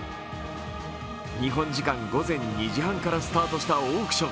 日本時間午前２時半からスタートしたオークション。